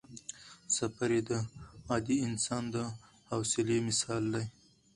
سفر یې د عادي انسان د حوصلې مثال دی.